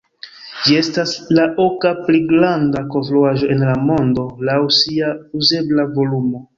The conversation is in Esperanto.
Ĝi estas la oka pli granda konstruaĵo en la mondo laŭ sia uzebla volumo.